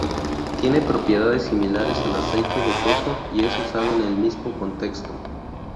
Tiene propiedades similares al aceite de coco y es usado en el mismo contexto.